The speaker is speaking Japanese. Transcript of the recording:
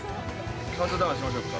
◆カウントダウンしましょうか。